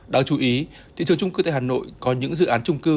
đáng chú ý thị trường trung cư tại hà nội có những dự án trung cư